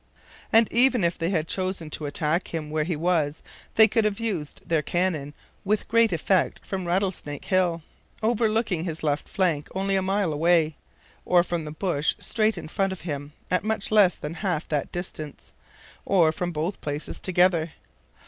And even if they had chosen to attack him where he was they could have used their cannon with great effect from Rattlesnake Hill, overlooking his left flank, only a mile away, or from the bush straight in front of him, at much less than half that distance, or from both places together.